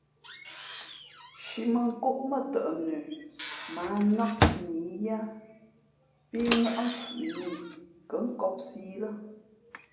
Shīmαnkóʼ mά tαʼ nə mα ǎ nnák nǐyáá pí ŋα̌ʼ mfhʉʼnā i kα̌ nkōpsī ī lά.